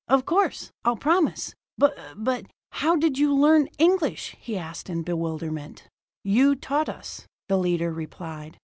"Of course I'll promise. But but, how did you learn English?" he asked in bewilderment. "You taught us," the leader replied.